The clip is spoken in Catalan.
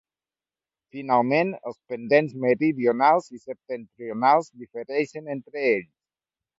Finalment, els pendents meridionals i septentrionals difereixen entre ells.